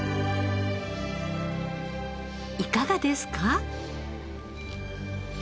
いかがですか？